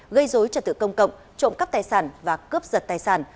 gây dối trật tự công cộng trộm cắp tài sản và cướp giật tài sản